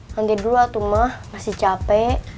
mandi dulu atuma masih capek